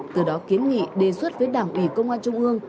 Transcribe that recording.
từ đó kiến nghị đề xuất với đảng ủy công an trung ương